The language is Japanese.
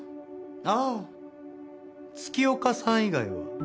ああ月岡さん以外は。